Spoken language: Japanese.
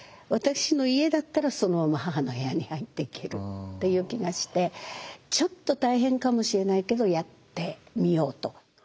私の家だったらそのまま母の部屋に入っていけるっていう気がしてちょっと大変かもしれないけどやってみようと。